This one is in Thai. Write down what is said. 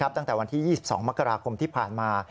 ตั้งแต่วันที่๒๒มกราคมที่ผ่านมา